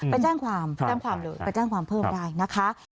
ไปแจ้งความไปแจ้งความเพิ่มได้นะคะ